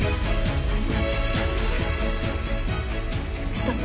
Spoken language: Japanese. ストップ。